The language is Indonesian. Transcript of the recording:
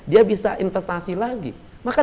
dia bisa investasi lagi maka